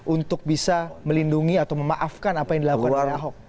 untuk bisa melindungi atau memaafkan apa yang dilakukan oleh ahok